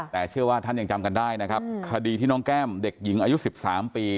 แต่เชื่อว่าท่านยังจำกันได้นะครับคดีที่น้องแก้มเด็กหญิงอายุ๑๓ปี